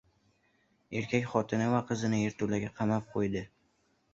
Erkak xotini va qizini yerto‘laga qamab qo‘ydi